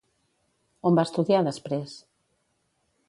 On va estudiar després?